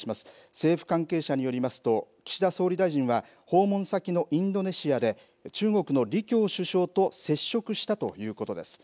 政府関係者によりますと、岸田総理大臣は訪問先のインドネシアで、中国の李強首相と接触したということです。